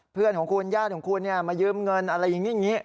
เพื่อนของคุณญาติของคุณมายืมเงินอะไรอย่างนี้